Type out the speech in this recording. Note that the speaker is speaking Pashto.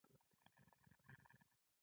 بریده د هغه بل مشهور کتاب دی.